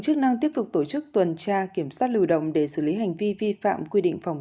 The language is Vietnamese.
chức năng tiếp tục tổ chức tuần tra kiểm soát lưu đồng để xử lý hành vi vi phạm quy định phòng